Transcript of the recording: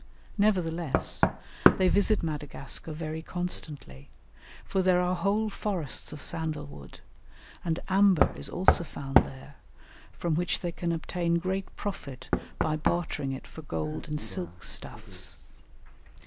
Nevertheless, they visit Madagascar very constantly, for there are whole forests of sandal wood, and amber is also found there, from which they can obtain great profit by bartering it for gold and silk stuffs.